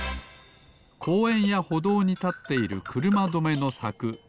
こうえんやほどうにたっているくるまどめのさく。